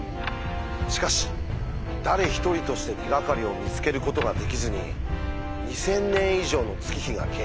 しかし誰一人として手がかりを見つけることができずに２，０００年以上の月日が経過。